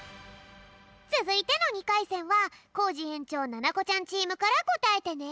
つづいての２かいせんはコージ園長ななこちゃんチームからこたえてね！